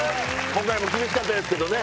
今回も厳しかったですけどね。